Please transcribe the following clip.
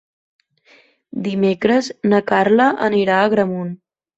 Dimecres na Carla anirà a Agramunt.